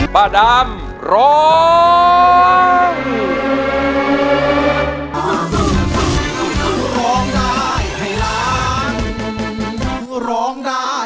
ป้าดำร้อง